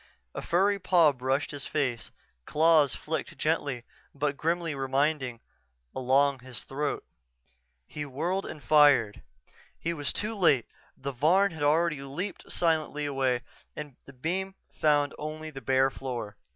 _" A furry paw brushed his face, claws flicked gently but grimly reminding along his throat. He whirled and fired. He was too late the Varn had already leaped silently away and the beam found only the bare floor.